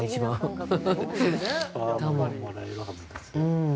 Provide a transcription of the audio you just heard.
うん。